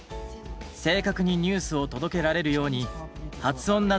正確にニュースを届けられるように発音などをチェック。